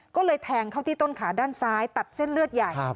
ก็เลยแทงเข้าที่ต้นขาด้านซ้ายตัดเส้นเลือดใหญ่